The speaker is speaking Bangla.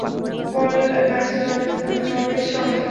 পল নার্সের জন্ম নরউইচ শহরে।